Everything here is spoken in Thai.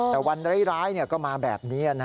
แต่วันร้ายก็มาแบบนี้